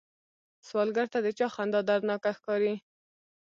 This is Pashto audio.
سوالګر ته د چا خندا دردناکه ښکاري